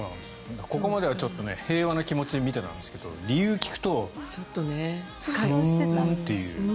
ここまではちょっと平和な気持ちで見ていたんですが理由を聞くと、ふーんっていう。